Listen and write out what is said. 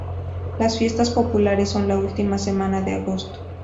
Las fiestas populares son la última semana de agosto.